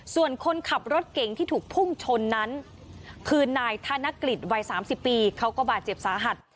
ส่วนคนขับรถเก่งที่ถูกพุ่งชนนั้นคือนายธนกฤษวัย๓๐ปีเขาก็บาดเจ็บสาหัส